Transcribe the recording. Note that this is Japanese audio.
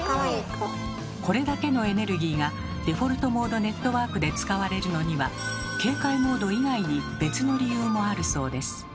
これだけのエネルギーがデフォルトモードネットワークで使われるのには警戒モード以外に別の理由もあるそうです。